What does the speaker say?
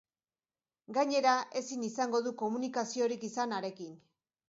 Gainera, ezin izango du komunikaziorik izan harekin.